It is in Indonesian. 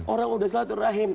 orang sudah selatu rahim